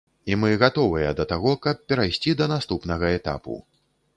І мы гатовыя да таго, каб перайсці да наступнага этапу.